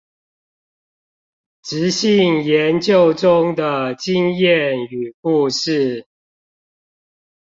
質性研究中的經驗與故事